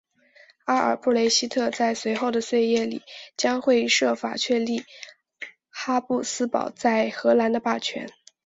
阿尔布雷希特在随后的岁月里将会设法确立哈布斯堡在荷兰的霸权。